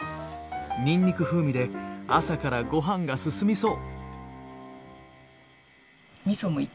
にんにく風味で朝からご飯が進みそう。